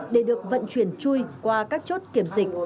để được vận chuyển chui qua các chốt kiểm dịch